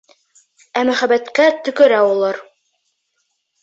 Ә мөхәббәткә төкөрә улар.